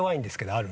「ある」